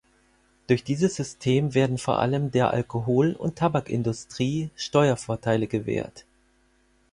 Durch dieses System werden vor allem der Alkohol- und Tabakindustrie Steuervorteile gewährt.